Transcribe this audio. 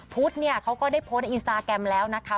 พุทธเนี่ยเขาก็ได้โพสต์ในอินสตาแกรมแล้วนะคะ